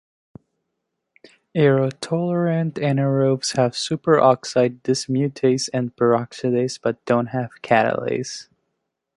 Aerotolerant anaerobes have superoxide dismutase and peroxidase but don't have catalase.